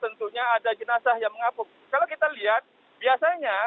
maksudnya tahu dari tingkat mobil lain